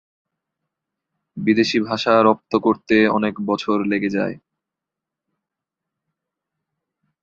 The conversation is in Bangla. বিদেশি ভাষা রপ্ত করতে অনেক বছর লেগে যায়।